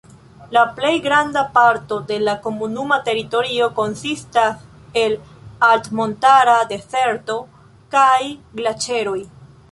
La plej granda parto de la komunuma teritorio konsistas el altmontara dezerto kaj glaĉeroj.